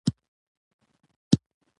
چي ترانې مي ورته ویلې